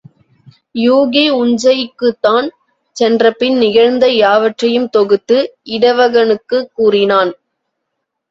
யூகி உஞ்சைக்குத் தான் சென்றபின் நிகழ்ந்த யாவற்றையும் தொகுத்து இடவகனுக்குக் கூறினான்.